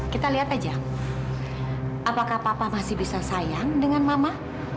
kita lihat aja apakah papa masih bisa sayang dengan mama